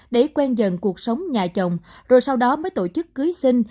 để quen dần cuộc sống nhà chồng rồi sau đó mới tổ chức cưới sinh